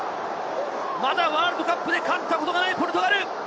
まだワールドカップで勝ったことがないポルトガル。